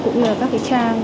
cũng như là các cái trang